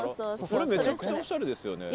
それめちゃくちゃおしゃれですよね。